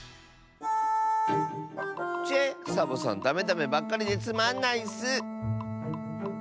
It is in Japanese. ちぇっサボさんダメダメばっかりでつまんないッス。